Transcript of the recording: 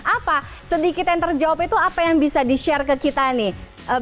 apa sedikit yang terjawab itu apa yang bisa di share ke kita nih